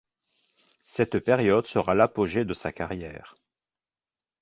Cette période sera l'apogée de sa carrière.